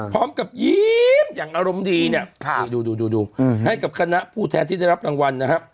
พร้อมกับยิ้มอย่างอารมณ์ดีเนี่ยดูให้กับคณะผู้แทนที่ได้รับรางวัลนะครับ